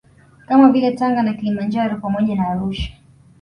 Kama vile Tanga na Kilimanjaro pamoja na Arusha